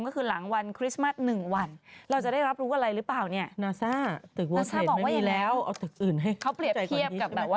นางคิดแบบว่าไม่ไหวแล้วไปกด